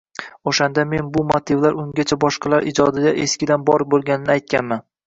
Oʻshanda men bu motivlar ungacha boshqalar ijodida eskidan bor boʻlganini aytganman